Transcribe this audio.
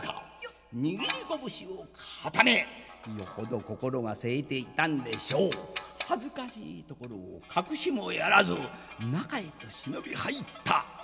握り拳を固めよほど心がせいていたんでしょう恥ずかしいところを隠しもやらず中へと忍び入った。